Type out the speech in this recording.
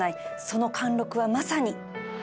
その貫禄はまさに